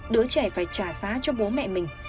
đứa trẻ phải trả giá cho bố mẹ mình